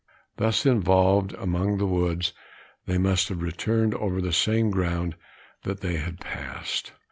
Thus, involved among the woods, they must have returned over the same ground that they had passed.